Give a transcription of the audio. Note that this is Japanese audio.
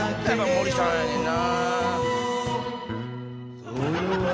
森さんやねんな。